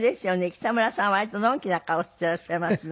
北村さん割とのんきな顔していらっしゃいますね。